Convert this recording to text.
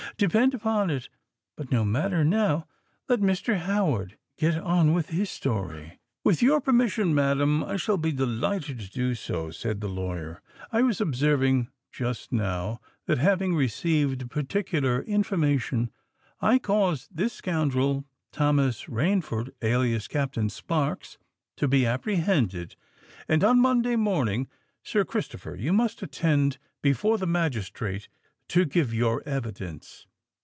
"Depend upon it——But, no matter now: let Mr. Howard get on with his story." "With your permission, madam, I shall be delighted to do so," said the lawyer. "I was observing just now that having received particular information, I caused this scoundrel Thomas Rainford, alias Captain Sparks, to be apprehended; and on Monday morning, Sir Christopher, you must attend before the magistrate to give your evidence."